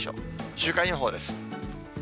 週間予報です。